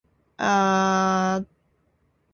本当の幸いとはなんだろう。